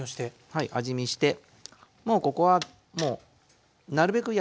はい味見してもうここはもうなるべく柔らかく。